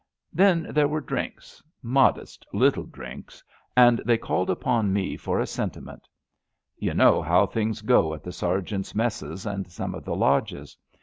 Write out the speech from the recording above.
Then there were drinks — modest little drinks — ^and they called upon me for a sentiment. Yon know how things go at the sergeants' messes and some of the lodges.